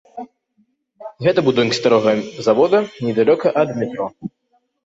Гэта будынак старога завода, недалёка ад метро.